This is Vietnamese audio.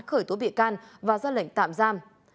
khởi tố bị can và ra lệnh tạm giam